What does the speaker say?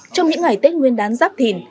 trong những ngày tết nguyên đán giáp thìn